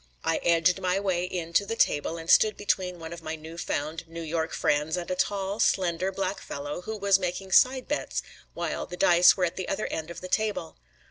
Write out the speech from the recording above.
I edged my way in to the table and stood between one of my new found New York friends and a tall, slender, black fellow, who was making side bets while the dice were at the other end of the table.